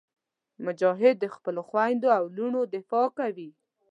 مجاهد د خپلو خویندو او وروڼو دفاع کوي.